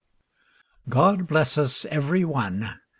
" God bless us every one